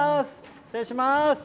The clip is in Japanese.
失礼します。